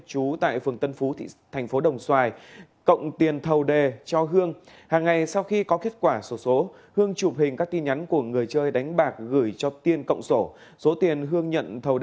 công an thành phố đồng xoài của tỉnh bình phước vừa ra quyết định khởi tạo làm rõ và giải quyết